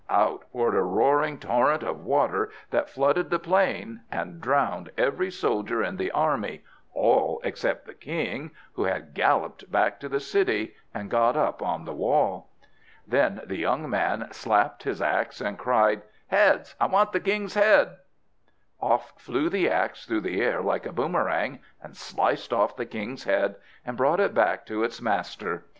Out poured a roaring torrent of water that flooded the plain, and drowned every soldier in the army, all except the king, who had galloped back to the city, and got up on the wall. Then the young man slapped his axe, and cried, "Heads! I want the king's head!" Off flew the axe through the air like a boomerang, and sliced off the king's head, and brought it back to its master.